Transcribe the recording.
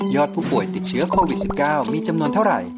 ผู้ป่วยติดเชื้อโควิด๑๙มีจำนวนเท่าไหร่